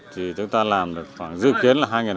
thì chúng ta làm được khoảng dự kiến là